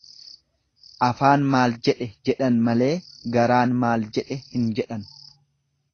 Afaan maal jedhe jedhan malee garaan maal jedhe hin jedhan.